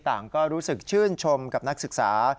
ต่างก็รู้สึกชื่นชมกับนักศึกษา